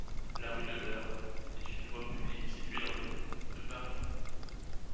La rue de l'Eure est une voie publique située dans le de Paris.